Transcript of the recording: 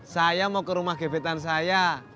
saya mau ke rumah gebetan saya